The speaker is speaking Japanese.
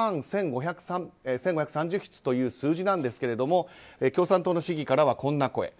この７万１５３０筆という数字なんですけれども共産党の市議からはこんな声。